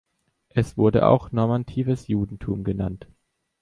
Es wird auch normatives Judentum genannt.